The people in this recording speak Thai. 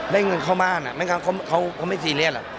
ได้เงินเข้าบ้านอ่ะไม่งั้นเขาเขาไม่ซีเรียสอ่ะ